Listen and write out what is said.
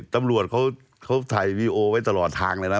ตำรวจเขาถ่ายวีดีโอไว้ตลอดทางเลยนะ